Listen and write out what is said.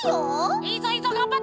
いいぞいいぞがんばって！